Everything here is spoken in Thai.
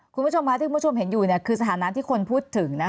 คุณผู้ชมค่ะที่คุณผู้ชมเห็นอยู่คือสถานะที่คนพูดถึง